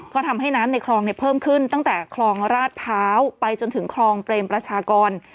ก็ทำให้น้ำในคลองเพิ่มขึ้นตั้งแต่คลองราชพร้าวไปจนถึงคลองเปรมประชากร